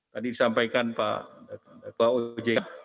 tadi disampaikan pak bawa ojk